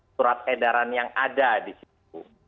surat edaran yang ada di situ